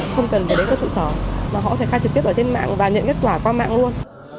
không cần phải đến các trụ sở mà họ có thể khai trực tiếp ở trên mạng và nhận kết quả qua mạng luôn